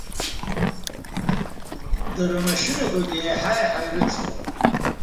Дара амашьынақәагьы еиҳа-еиҳа ирыцлон.